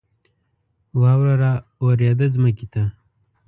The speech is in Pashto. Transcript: واوره را اوورېده ځمکې ته